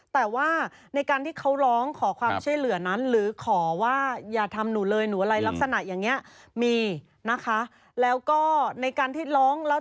แต่ว่าในการที่เค้าร้อง